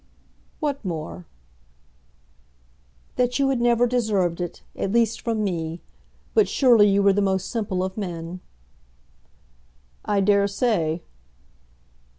"What more?" "That you had never deserved it, at least from me. But surely you were the most simple of men." "I dare say."